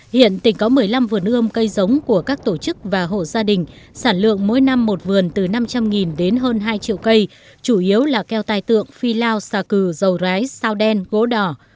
hiện tỉnh có một mươi năm vườn ươm cây giống của các tổ chức và hộ gia đình sản lượng mỗi năm một vườn từ năm trăm linh đến hơn hai triệu cây chủ yếu là keo tài tượng phi lao xà cừ dầu rái sao đen gỗ đỏ